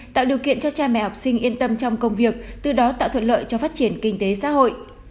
tạo điều kiện cho cha mẹ học sinh yên tâm trong công việc từ đó tạo thuận lợi cho phát triển kinh tế xã hội